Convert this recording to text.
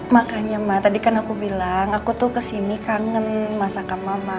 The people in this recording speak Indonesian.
makanya mak tadi kan aku bilang aku tuh kesini kangen masakan mama